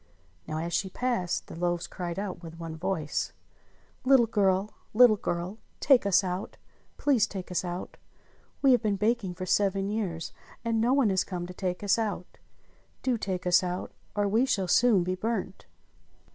Now, as she passed, the loaves cried out with one voice : "Little girl! Little girl! Take us out! Please take us out ! We have been baking for seven years, and no one has come to take us out. Do take us out or we shall soon be burnt!"